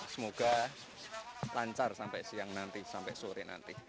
semoga lancar sampai siang nanti sampai sore nanti